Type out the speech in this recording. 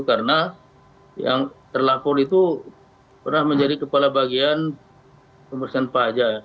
karena yang terlapor itu pernah menjadi kepala bagian pemeriksaan pajak